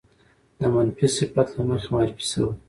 د منفي صفت له مخې معرفې شوې